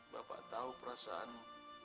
bapak tahu perasaanmu